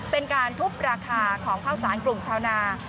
เป็นการทุบราคาของข้าวสารกลุ่มชาวนา